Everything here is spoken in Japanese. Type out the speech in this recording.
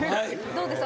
どうです？